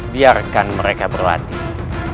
biarkan mereka berlatih